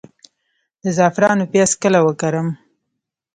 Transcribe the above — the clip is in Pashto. د زعفرانو پیاز کله وکرم؟